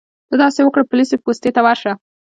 ته داسې وکړه پولیسو پوستې ته ورشه.